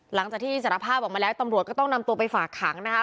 หลังจากที่สารภาพออกมาแล้วตำรวจก็ต้องนำตัวไปฝากขังนะคะ